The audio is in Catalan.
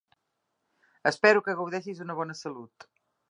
Espero que gaudeixis d'una bona salut.